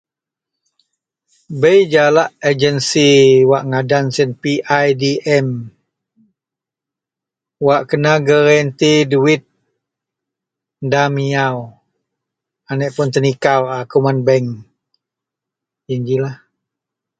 Bei jalak agensi wak ngadan sien PIDM wak kena granti duit da miyau anik pun tenikau keman bank yian ji lah.